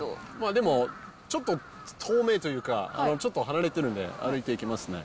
でも、ちょっと遠めというか、ちょっと離れてるんで、歩いていきますね。